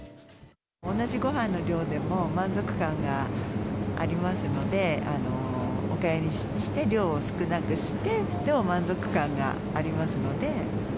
同じごはんの量でも満足感がありますので、おかゆにして量を少なくして、でも満足感がありますので。